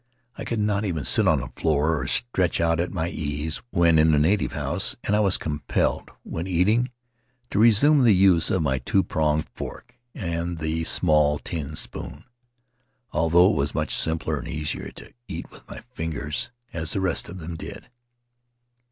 I could not even sit on the floor, or stretch out at my ease, when in a native house; and I was compelled, when eat ing, to resume the use of my two pronged fork and the small tin spoon, although it was much simpler and easier to eat with my fingers as the rest of them did.